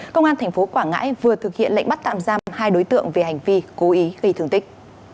công an tp quảng ngãi vừa thực hiện lệnh bắt tạm giam hai đối tượng về hành vi cố ý gây thương tích